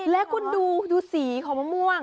และคุณดูสีของมะม่วง